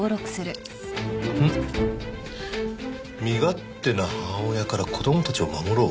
「身勝手な母親から子供たちを守ろう」？